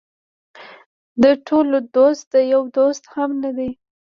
د ټولو دوست د یو دوست هم نه دی.